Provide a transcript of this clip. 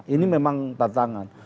ini memang tantangan